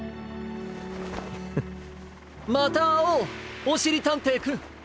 フッまたあおうおしりたんていくん。